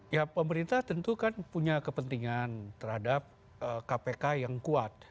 ya pemerintah tentu kan punya kepentingan terhadap kpk yang kuat